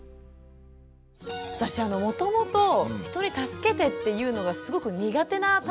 私もともと人に助けてって言うのがすごく苦手なタイプで。